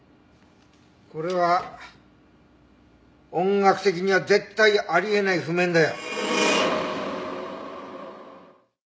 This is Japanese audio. これは音楽的には絶対あり得ない譜面だよ。